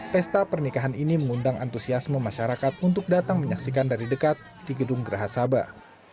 pesta pernikahan ini mengundang antusiasme masyarakat untuk datang menyaksikan dari dekat di gedung geraha sabah